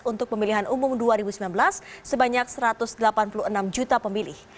untuk pemilihan umum dua ribu sembilan belas sebanyak satu ratus delapan puluh enam juta pemilih